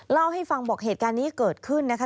เล่าให้ฟังบอกเหตุการณ์นี้เกิดขึ้นนะคะ